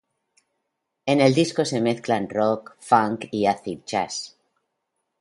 En el disco se mezclan rock, funk y acid jazz.